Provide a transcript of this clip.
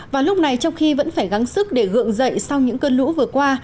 và lúc này trong khi vẫn phải gắn sức để gượng dậy sau những cơn lũ vừa qua